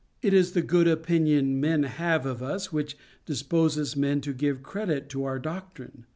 It is the good opinion men have of us which disposes men to give credit to our doctrine.